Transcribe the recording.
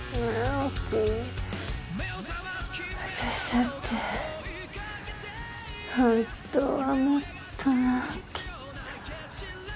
私だって本当はもっと直樹と。